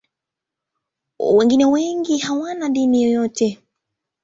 Wengine wengi hawana dini yoyote.